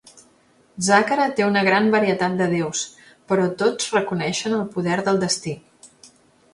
Zakhara té una gran varietat de déus, però tots reconeixen el poder del destí.